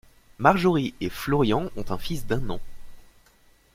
Marjorie et Florian ont un fils d’un an.